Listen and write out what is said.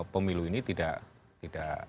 pemilu ini tidak